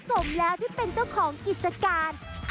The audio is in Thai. สมแล้วที่เป็นเจ้าของกิจการ